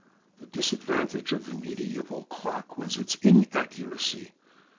The disadvantage of the medieval clock was its inaccuracy.